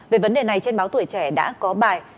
về vấn đề này trên báo tuổi trẻ đã có bài